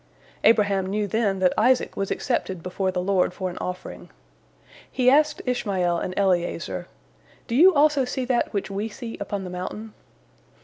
Abraham knew then that Isaac was accepted before the Lord for an offering. He asked Ishmael and Eliezer, "Do you also see that which we see upon the mountain?"